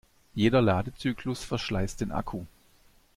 Jeder Ladezyklus verschleißt den Akku.